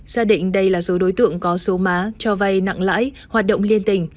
gia định đây là số đối tượng có số má cho vay nặng lãi hoạt động liên tình